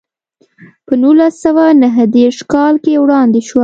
په نولس سوه نهه دېرش کال کې وړاندې شوه.